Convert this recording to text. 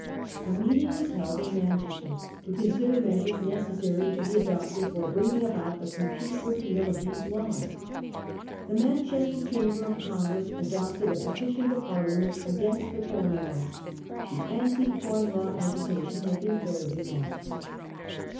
A meeting was held in Manchester to consider measures necessary to be adopted for bringing about the complete repeal of these Laws. The Manchester Chamber of Commerce adopted a petition to Parliament against the Com Laws. The Anti Corn Law agitation had been fairly launched.